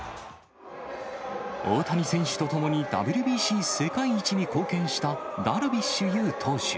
大谷選手と共にＷＢＣ世界一に貢献した、ダルビッシュ有投手。